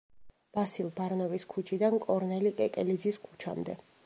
ვასილ ბარნოვის ქუჩიდან კორნელი კეკელიძის ქუჩამდე.